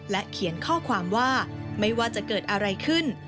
เขียนข้อความว่าไม่ว่าจะเกิดอะไรขึ้น